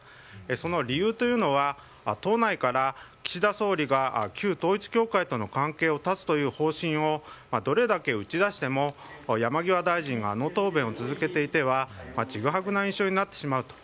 その理由というのは党内から岸田総理が旧統一教会との関係を断つという方針をどれだけ打ち出しても山際大臣があの答弁を続けていてはちぐはぐな印象になってしまうと。